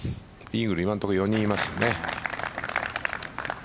イーグルは今のところ４人いますよね。